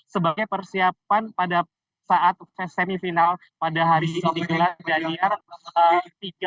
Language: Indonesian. sebagai persiapan pada saat semifinal pada hari sembilan januari